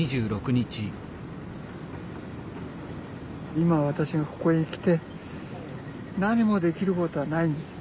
今私がここに来て何もできることはないんです。